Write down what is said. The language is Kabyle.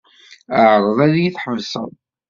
Ɛreḍ ad iyi-tḥebsed.